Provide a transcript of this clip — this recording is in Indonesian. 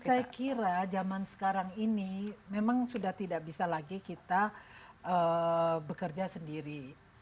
saya kira zaman sekarang ini memang sudah tidak bisa lagi kita bekerja sendiri